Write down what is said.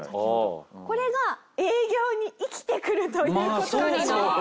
これが営業に生きてくるという事に。